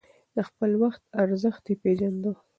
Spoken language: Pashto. د خپل وخت ارزښت يې پېژانده.